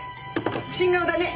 新顔だね。